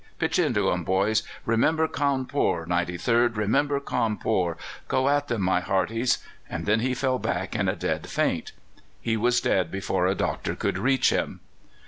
Pitch into them, boys! Remember Cawnpore, 93rd remember Cawnpore! Go at them, my hearties!' and then he fell back in a dead faint. He was dead before a doctor could reach him."